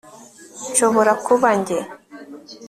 Nshobora kuba njye